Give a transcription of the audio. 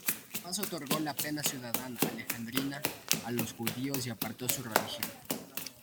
Además otorgó la plena ciudadanía alejandrina a los judíos y amparó su religión.